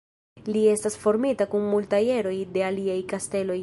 Li estas formita kun multaj eroj de aliaj kasteloj.